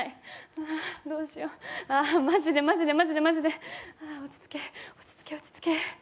ああ、どうしようマジでマジでマジでマジであ、落ち着け、落ち着け落ち着け！